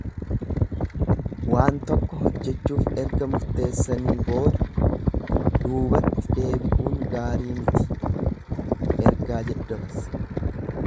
Waan tokko hojjechuuf erga murteessanii booda duubatti deebi'uun gaarii miti ergaa jedhu dabarsa.